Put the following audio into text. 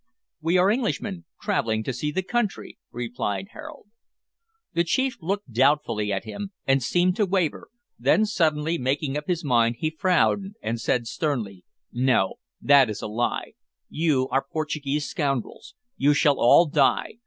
"We are Englishmen, travelling to see the country," replied Harold. The chief looked doubtfully at him, and seemed to waver, then suddenly making up his mind, he frowned and said sternly "No; that is a lie. You are Portuguese scoundrels. You shall all die.